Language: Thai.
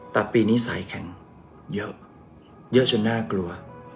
แต่ปีนี้สายแข็งเยอะเยอะจนน่ากลัว